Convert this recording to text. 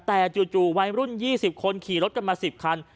แต่จู่วัยรุ่น๒๐คนขี่รถกันมา๑๐คัน